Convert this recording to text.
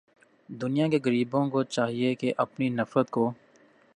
دنیا کے غریبوں کو چاہیے کہ اپنی نفرت کو